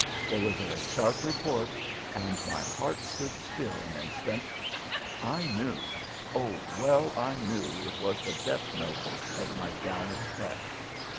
There was a sharp report, and my heart stood still an instant. I knew oh, well I knew it was the death note of my gallant pet.